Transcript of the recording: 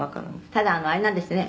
「ただあれなんですってね。